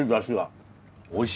おいしい。